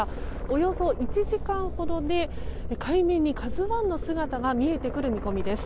およそ１時間ほどで海面に「ＫＡＺＵ１」の姿が見えてくる見込みです。